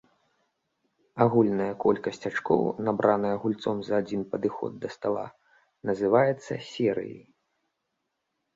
Агульная колькасць ачкоў, набраная гульцом за адзін падыход да стала, называецца серыяй.